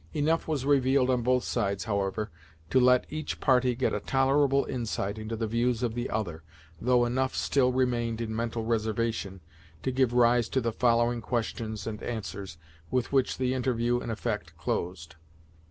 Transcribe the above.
Enough was revealed on both sides, however, to let each party get a tolerable insight into the views of the other, though enough still remained in mental reservation, to give rise to the following questions and answers, with which the interview in effect closed.